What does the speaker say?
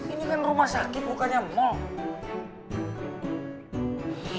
ini kan rumah sakit bukannya mall